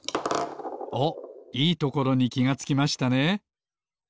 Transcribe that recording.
おっいいところにきがつきましたね。